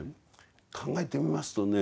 考えてみますとね